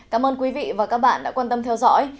cảm ơn quý vị và các bạn đã quan tâm theo dõi